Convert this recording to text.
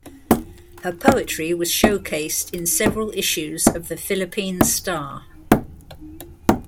Her poetry was showcased in several issues of "The Philippine Star".